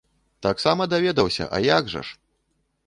Таксама даведаўся, а як жа ж!